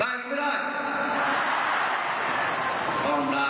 ได้ยังไม่ได้